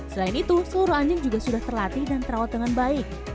selain itu seluruh anjing juga sudah terlatih dan terawat dengan baik